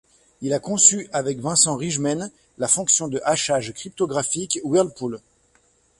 Il a conçu avec Vincent Rijmen la fonction de hachage cryptographique Whirlpool.